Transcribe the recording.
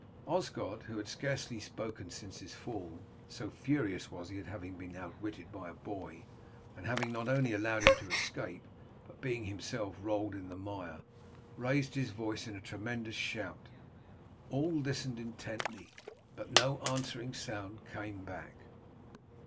Osgod who had scarcely spoken since his fall, so furious was he at having been outwitted by a boy, and having not only allowed him to escape, but being himself rolled in the mire raised his voice in a tremendous shout. All listened intently, but no answering sound came back.